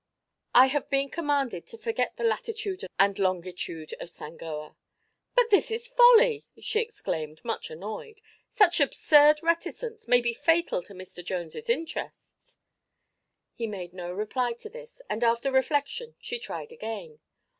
"I have been commanded to forget the latitude and longitude of Sangoa." "But this is folly!" she exclaimed, much annoyed. "Such absurd reticence may be fatal to Mr. Jones' interests." He made no reply to this and after reflection she tried again.